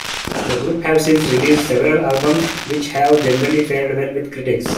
The group have since released several albums which have generally fared well with critics.